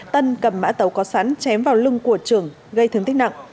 tân cầm mã tàu có sắn chém vào lưng của trưởng gây thương tích nặng